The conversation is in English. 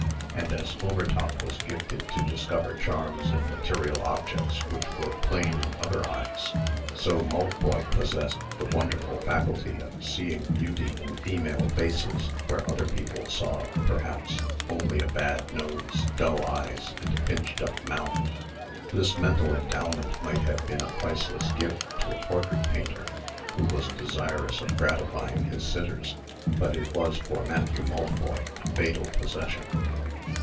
And as Overtop was gifted to discover charms in material objects which were plain in other eyes, so Maltboy possessed the wonderful faculty of seeing beauty in female faces, where other people saw, perhaps, only a bad nose, dull eyes, and a pinched up mouth. This mental endowment might have been a priceless gift to a portrait painter, who was desirous of gratifying his sitters; but it was for Matthew Maltboy a fatal possession.